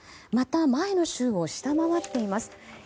また前の週を下回っています。